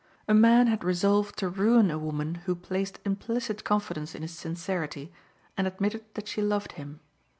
A man had resolved to ruin a woman who placed implicit confidence in his sincerity, and admitted that she loved him.